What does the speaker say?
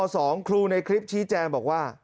ครูในคลิปชี้แจงบอกว่า